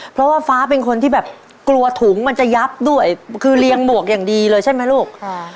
เพราะว่าฟ้าเป็นคนที่แบบกลัวถุงมันจะยับด้วยคือเรียงหมวกอย่างดีเลยใช่ไหมลูก